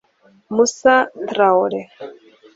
Moussa Traoré